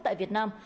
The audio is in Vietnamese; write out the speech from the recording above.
tại việt nam